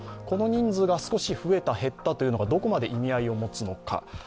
この人数が少し増えた、減ったというのがどこまで意味合いを持つのか。